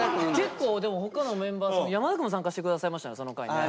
結構でも他のメンバーも山田くんも参加してくださいましたねその回ね。